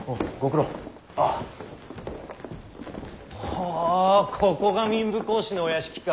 ほうここが民部公子のお屋敷か。